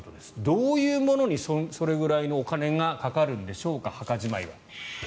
どういうものにそれぐらいのお金がかかるんでしょうか墓じまいは。